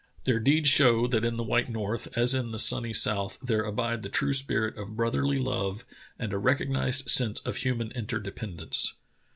Their deeds show that in the white north as in the sunny south there abide the true spirit of brotherly love and a recognized sense of human interdependence.